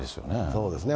そうですね。